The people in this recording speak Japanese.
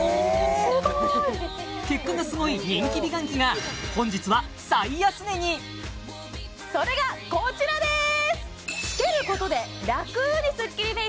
すごい結果がすごい人気美顔器が本日はそれがこちらです